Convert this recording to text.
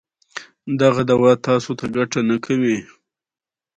هغوی د کتاب په خوا کې تیرو یادونو خبرې کړې.